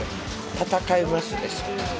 戦いますでしょ。